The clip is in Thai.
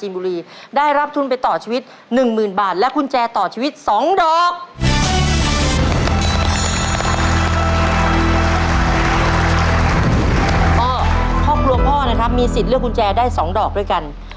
มีสิทธิ์เลือกกุญแจได้๒ดอกด้วยกัน